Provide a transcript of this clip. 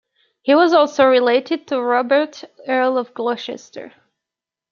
He was also related to Robert, Earl of Gloucester.